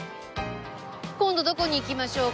今度どこに行きましょうか？